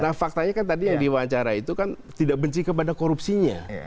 nah faktanya kan tadi yang diwawancara itu kan tidak benci kepada korupsinya